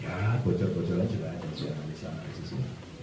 ya bocor bocoran juga ada di sana di sisi